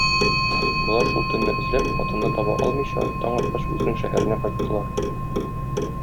Болар шул төнне эзләп, хатынны таба алмыйча, таң аткач үзенең шәһәренә кайттылар.